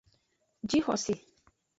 Jixose.